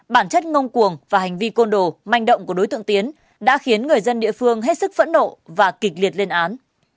bản chất ngông cuồng và hành vi côn đồ manh động của đối tượng tiến đã khiến người dân địa phương hết sức phẫn nộ và kịch liệt lên án